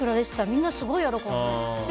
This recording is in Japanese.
みんなすごい喜んで。